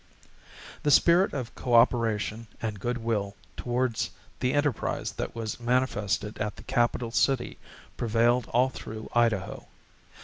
The spirit of coöperation and good will towards the enterprise that was manifested at the capital city prevailed all through Idaho.